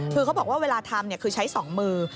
คือเขาบอกว่าเวลาทำคือใช้๒มือ